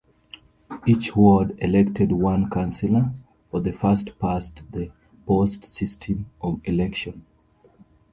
Each ward elected one councillor by the first past the post system of election.